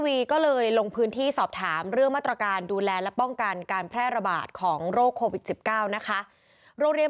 วีก็เลยลงพื้นที่สอบถามเรื่องมาตรการดูแลและป้องกันการแพร่ระบาดของโรคโควิด๑๙นะคะโรงเรียน